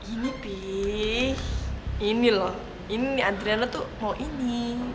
ini pi ini loh ini adriana tuh mau ini